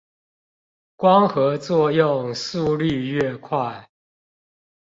光合作用速率愈快